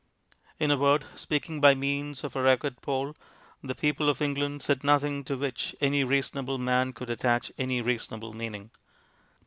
In a word, speaking by means of a record poll, the people of Eng land said nothing to which any reasonable man could attach any reasonable meaning.